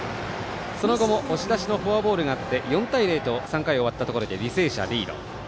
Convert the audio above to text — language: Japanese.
その後も押し出しのフォアボールがあって４対０と３回終わったところで履正社リード。